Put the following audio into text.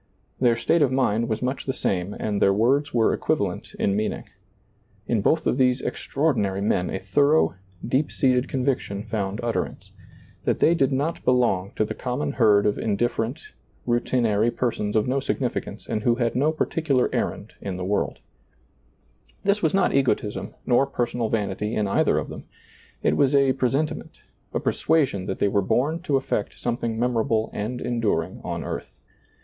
Their state of mind was much the same and their words were equivalent in meaning. In both of these extraordinary men a thorough, deep seated conviction found utterance — that they did not belong to the common herd of indiffer ent, routinary persons of no significance and who had no particular errand in the world. ^lailizccbvGoOgle loo SEEING DARKLY This was not egotism nor personal vanity in either of them ; it was a presentiment, a persuasion that they were bom to effect something memo rable and enduring on earth.